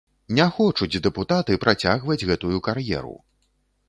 Не хочуць дэпутаты працягваць гэтую кар'еру!